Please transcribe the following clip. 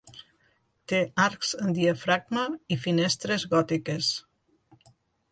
Té arcs en diafragma i finestres gòtiques.